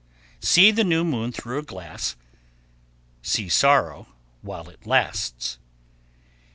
1104. See the new moon through a glass, See sorrow while it lasts.